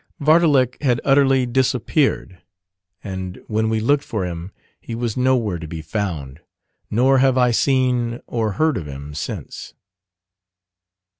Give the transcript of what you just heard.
Vardalek had utterly disappeared; and when we looked for him he was nowhere to be found; nor have I seen or heard of him since.